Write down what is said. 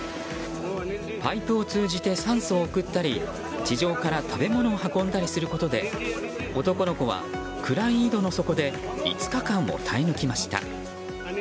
パイプを通じて酸素を送ったり地上から食べ物を運んだりすることで男の子は、暗い井戸の底で５日間も耐え抜きました。